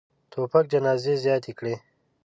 توپک جنازې زیاتې کړي.